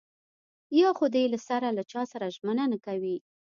يا خو دې له سره له چاسره ژمنه نه کوي.